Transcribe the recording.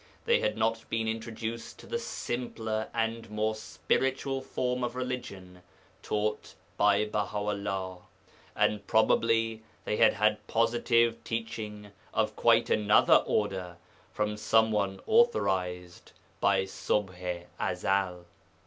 They had not been introduced to the simpler and more spiritual form of religion taught by Baha 'ullah, and probably they had had positive teaching of quite another order from some one authorized by Ṣubḥ i Ezel.